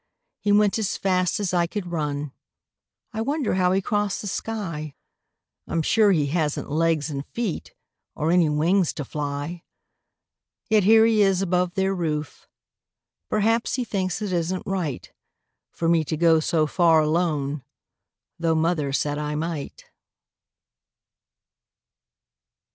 He went as fast as I could run; I wonder how he crossed the sky? I'm sure he hasn't legs and feet Or any wings to fly. Yet here he is above their roof; Perhaps he thinks it isn't right For me to go so far alone, Tho' mother said I might.